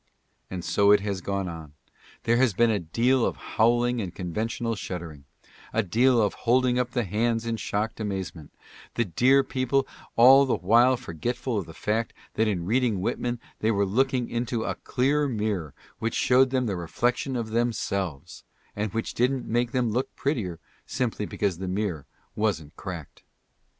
And so it has gone on ; there has been a deal of howling and conventional shuddering — a deal of holding up the hands in shocked amazement — the dear people all the while forgetful of the fact that in reading Whitman they were looking into a clear mirror which showed them the reflection of themselves y and which didn't make them look prettier, simply because the mirror wasn't cracked.